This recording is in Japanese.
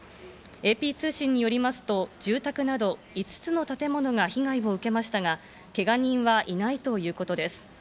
ＡＰ通信によりますと、住宅など５つの建物が被害を受けましたが、けが人はいないということです。